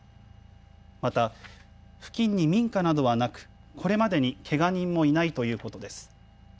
また、付近に民家などはなくこれまでにけが人もいないということです。